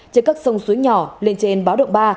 trên các sông suối nhỏ lên trên báo động ba